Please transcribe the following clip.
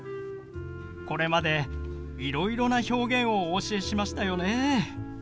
これまでいろいろな表現をお教えしましたよね。